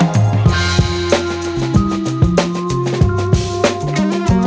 nggak ada yang denger